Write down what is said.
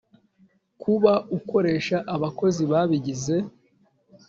kuba akoresha abakozi babigize